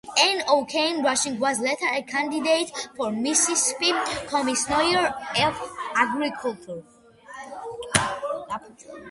Ann O'Cain Rushing was later a candidate for Mississippi Commissioner of Agriculture.